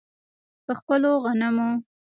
په خپلو غنمو.